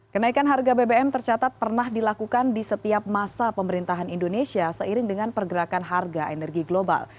kenaikan harga bbm tercatat pernah dilakukan di setiap masa pemerintahan indonesia seiring dengan pergerakan harga energi global